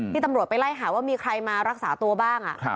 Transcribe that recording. ตำรวจไปไล่หาว่ามีใครมารักษาตัวบ้าง